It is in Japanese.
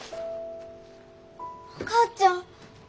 お母ちゃん。